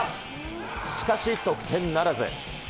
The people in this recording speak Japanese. しかし、得点ならず。